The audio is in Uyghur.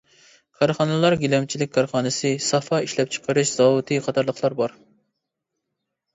كارخانىلار گىلەمچىلىك كارخانىسى، سافا ئىشلەپچىقىرىش زاۋۇتى قاتارلىقلار بار.